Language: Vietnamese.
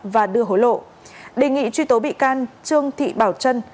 và đưa hối lộ đề nghị truy tố bị can trương thị bảo trân